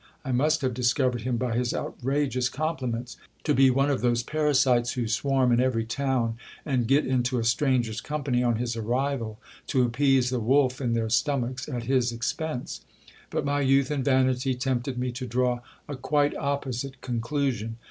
I must have discovered him by his outrageous compliments, to be one of those parasites who swarm in every town, and get into a stranger's company on his arrival, to appease the wolf in their stomachs at his expense ; but my youth and vanity tempted me to draw a quite opposite conclusion.